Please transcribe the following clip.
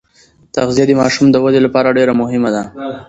تغذیه د ماشوم د ودې لپاره ډېره مهمه ده.